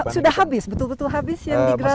sudah habis betul betul habis yang di grass bergumpit